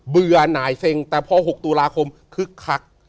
เบื่อหน่ายเซ็งแต่พอ๖ตุลาคมคึกคัก